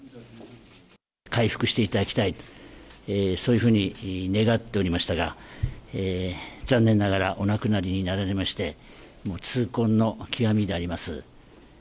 回復していただきたい、そういうふうに願っておりましたが、残念ながらお亡くなりになられまして、痛恨の極みであります。